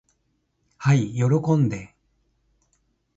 はい喜んで。